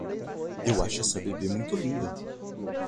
Eu acho essa bebê muito linda!